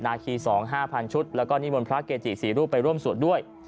นาคีสองห้าพันชุดแล้วก็นิมนต์พระเกจิสี่รูปไปร่วมสวดด้วย